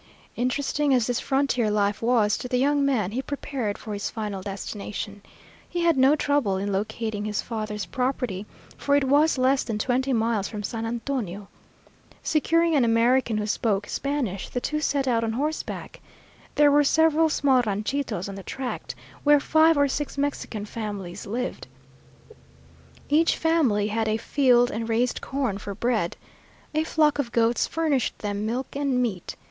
Interesting as this frontier life was to the young man, he prepared for his final destination. He had no trouble in locating his father's property, for it was less than twenty miles from San Antonio. Securing an American who spoke Spanish, the two set out on horseback. There were several small ranchitos on the tract, where five or six Mexican families lived. Each family had a field and raised corn for bread. A flock of goats furnished them milk and meat.